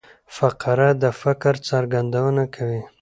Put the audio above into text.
فقره د فکر څرګندونه کوي.